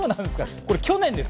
これは去年です。